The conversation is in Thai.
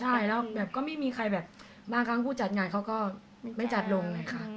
ใช่แล้วแบบก็ไม่มีใครแบบบางครั้งผู้จัดงานเขาก็ไม่จัดลง